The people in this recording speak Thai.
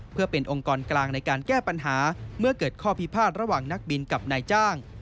เพื่อเป็นองค์กรกลางในการแก้ปัญหาเมื่อเกิดข้อพิพาทระหว่างนักบินกับนายจ้าง